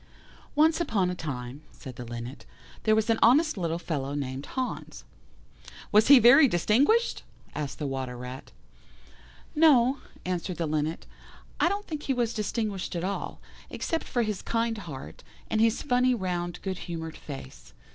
"Once upon a time," said the Linnet, "there was an honest little fellow named Hans." "Was he very distinguished?" asked the Water rat. "No," answered the Linnet, "I don't think he was distinguished at all, except for his kind heart, and his funny round good humoured face.